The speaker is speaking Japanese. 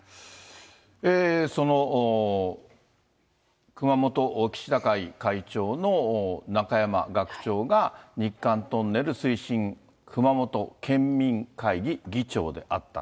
その熊本岸田会会長の中山学長が、日韓トンネル推進熊本県民会議議長であった。